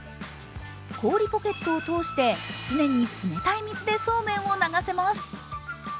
氷ポケットを通して常に冷たい水でそうめんを流せます。